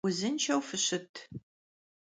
Vuzınşşeu fışıt!